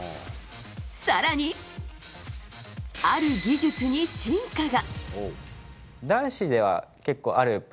更に、ある技術に進化が。